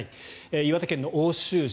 岩手県の奥州市。